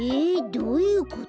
どういうこと？